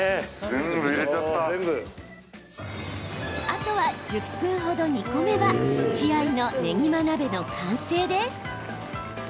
あとは１０分程、煮込めば血合いの、ねぎま鍋の完成です。